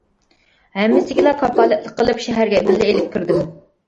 ھەممىسىگىلا كاپالەتلىك قىلىپ شەھەرگە بىللە ئېلىپ كىردىم.